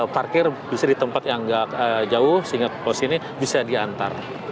parkir bisa di tempat yang agak jauh sehingga porsi ini bisa diantar